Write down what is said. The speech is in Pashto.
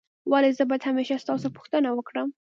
ولي زه باید همېشه ستاسو پوښتنه وکړم؟